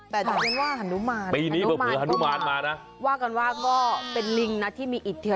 แปลจากเช่นว่าฮันุมานว่ากันว่าก็เป็นลิงนะที่มีอิทธิฤทธิ์